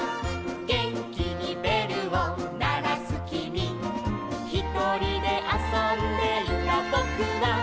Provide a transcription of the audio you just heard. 「げんきにべるをならすきみ」「ひとりであそんでいたぼくは」